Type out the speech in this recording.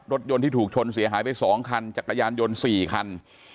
รถยนต์ที่ถูกชนเสียหายไป๒คันจักรยานยนต์๔คัน